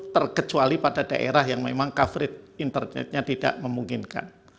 terkecuali pada daerah yang memang coverage internetnya tidak memungkinkan